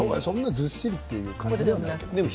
ずっしりという感じじゃないけれども。